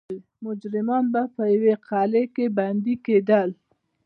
مجرمان به په یوې قلعې کې بندي کېدل.